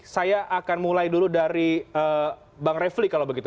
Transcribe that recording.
saya akan mulai dulu dari bang refli kalau begitu